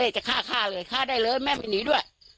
จะฆ่ะเลยฆ่าได้เลยแม่ไปหนีด้วย